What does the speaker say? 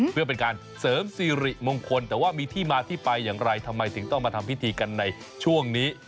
เพื่อเป็นการเสริมสิริมงคลแต่ว่ามีที่มาที่ไปอย่างไรทำไมถึงต้องมาทำพิธีกันในช่วงนี้